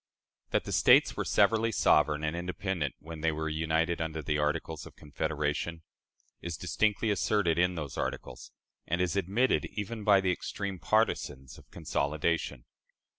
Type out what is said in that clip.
That the States were severally sovereign and independent when they were united under the Articles of Confederation, is distinctly asserted in those articles, and is admitted even by the extreme partisans of consolidation.